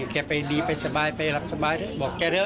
แกไปดีไปสบายไปหลับสบายเถอะบอกแกเถอ